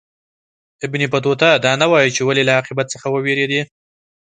ابن بطوطه دا نه وايي چې ولي له عاقبت څخه ووېرېدی.